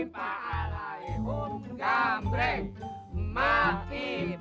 wah lucu banget nih